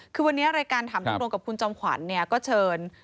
คือวันนี้รายการถามตรงกับคุณจอมขวัญเนี่ยก็เชิญ